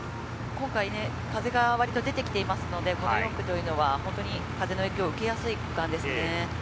風が割と出てきていますので、この６区というのは風の影響を受けやすい区間ですね。